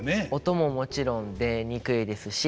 音ももちろん出にくいですし